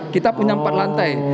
kita punya empat lantai